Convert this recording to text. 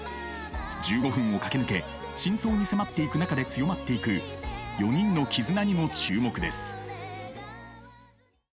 １５分を駆け抜け真相に迫っていく中で強まっていく４人の絆にも注目です。